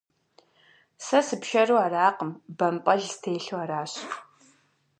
Сэ сыпшэру аракъым, бампӏэл стелъу аращ.